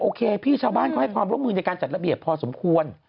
พี่ชาวบ้านเขาให้ความร่วมมือในการจัดระเบียบพอสมควร